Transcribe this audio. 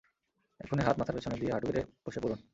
এক্ষুনি হাত মাথার পেছনে নিয়ে হাঁটু গেঁড়ে বসে পড়ুন!